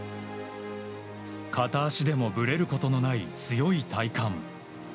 片足でもぶれることのない強い体幹。